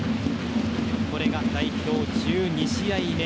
これが代表１２試合目。